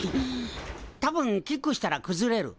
多分キックしたらくずれる。